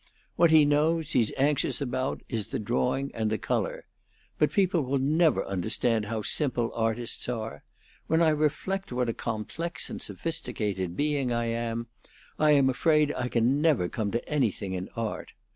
What he knows he's anxious about is the drawing and the color. But people will never understand how simple artists are. When I reflect what a complex and sophisticated being I am, I'm afraid I can never come to anything in art.